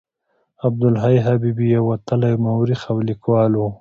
عبدالحي حبیبي یو وتلی مورخ او لیکوال و.